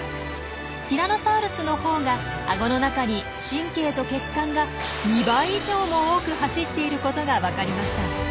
ティラノサウルスのほうがアゴの中に神経と血管が２倍以上も多く走っていることが分かりました。